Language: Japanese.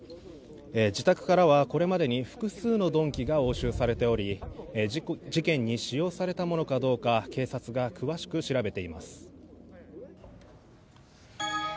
自宅からはこれまでに複数の鈍器が押収されており事件に使用されたものかどうか警察が詳しく調べています。